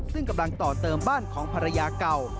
ซึ่งกำลังต่อเติมบ้านของภรรยาเก่า